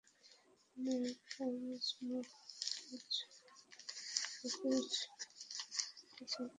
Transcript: অনেক মুজতাহিদ ফকিহ শুধু চামড়ার মোজার ওপর মাসেহ করা অনুমোদন করেন।